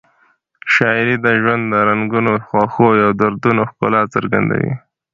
شاعري د ژوند د رنګونو، خوښیو او دردونو ښکلا څرګندوي.